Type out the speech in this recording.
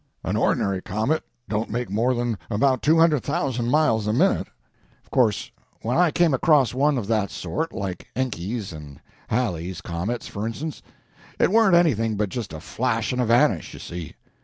An ordinary comet don't make more than about 200,000 miles a minute. Of course when I came across one of that sort—like Encke's and Halley's comets, for instance—it warn't anything but just a flash and a vanish, you see.